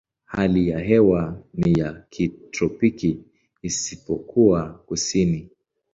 Hali ya hewa ni ya kitropiki isipokuwa kusini.